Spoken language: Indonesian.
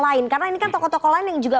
lain karena ini kan tokoh tokoh lain yang juga